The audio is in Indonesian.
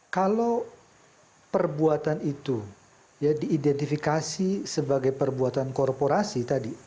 kalau perbuatan itu ya diidentifikasi sebagai perbuatan korporasi tadi